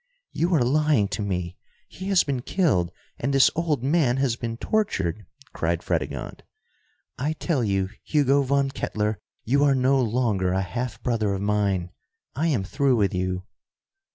"You are lying to me! He has been killed, and this old man has been tortured!" cried Fredegonde. "I tell you, Hugo Von Kettler, you are no longer a half brother of mine! I am through with you!"